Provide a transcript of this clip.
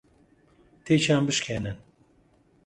تێکیان بشکێنن.